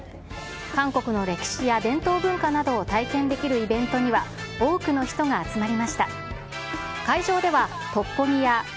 韓国の歴史や伝統文化などを体験できるイベントには、おはようございます！